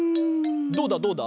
どうだどうだ？